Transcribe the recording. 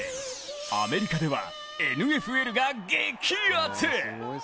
アメリカではＮＦＬが激アツ。